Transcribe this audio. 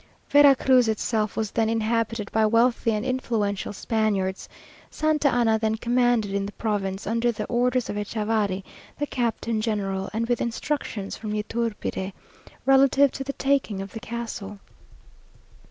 Vera Cruz itself was then inhabited by wealthy and influential Spaniards. Santa Anna then commanded in the province, under the orders of Echavarri, the captain general, and with instructions from Yturbide, relative to the taking of the castle.